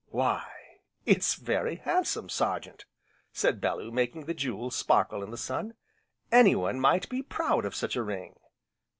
"Why it's very handsome, Sergeant!" said Bellew, making the jewels sparkle in the sun, "anyone might be proud of such a ring."